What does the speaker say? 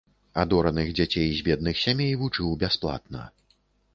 Адораных дзяцей з бедных сямей вучыў бясплатна.